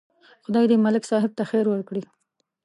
خدای دې ملک صاحب ته خیر ورکړي.